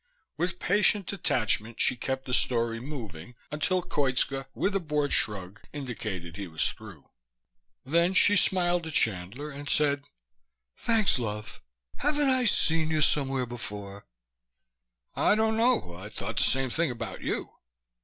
With patient detachment she kept the story moving until Koitska with a bored shrug indicated he was through. Then she smiled at Chandler and said, "Thanks, love. Haven't I seen you somewhere before?" "I don't know. I thought the same thing about you."